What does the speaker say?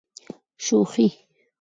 شوخي.